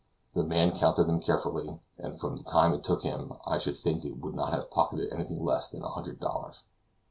The man counted them carefully, and from the time it took him, I should think that he could not have pocketed anything less than a hundred dollars.